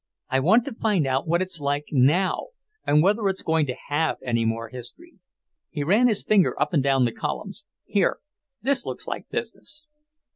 I want to find out what it's like now, and whether it's going to have any more history." He ran his finger up and down the columns. "Here, this looks like business.